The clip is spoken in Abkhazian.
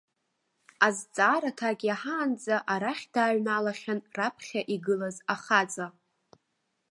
Азҵаара аҭак иаҳаанӡа арахь дааҩналахьан раԥхьа игылаз ахаҵа.